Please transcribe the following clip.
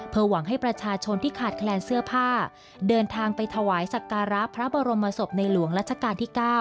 หวังให้ประชาชนที่ขาดแคลนเสื้อผ้าเดินทางไปถวายสักการะพระบรมศพในหลวงรัชกาลที่๙